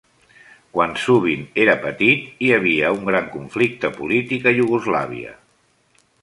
Quan Suvin era petit, hi havia un gran conflicte polític a Iugoslàvia.